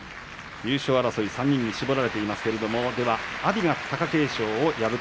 優勝争いは３人に絞られています。